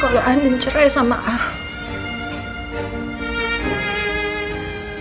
kalau anin cerai sama aku